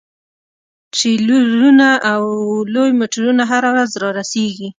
ټریلرونه او لوی موټرونه هره ورځ رارسیږي